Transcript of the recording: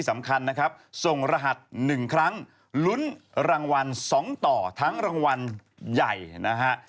สำคัญนะครับส่งรหัส๑ครั้งลุ้นรางวัล๒ต่อทั้งรางวัลใหญ่นะฮะ